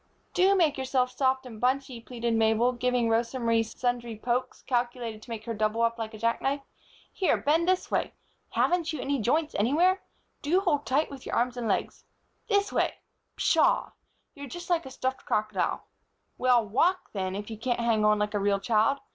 "Do make yourself soft and bunchy," pleaded Mabel, giving Rosa Marie sundry pokes, calculated to make her double up like a jack knife. "Here, bend this way. Haven't you any joints anywhere? Do hold tight with your arms and legs. This way. Pshaw! You're just like a stuffed crocodile. Well, walk then, if you can't hang on like a real child.